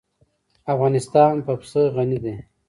افغانستان په پسه غني دی.